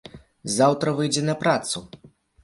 Заўтра выйдзе на працу.